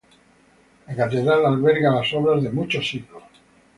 La catedral alberga las obras de muchos siglos.